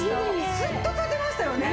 スッと立てましたよね。